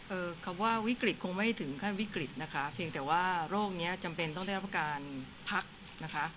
คำว่าวิกฤตคงไม่ถึงขั้นวิกฤตนะคะเพียงแต่ว่าโรคเนี้ยจำเป็นต้องได้รับการพักนะคะ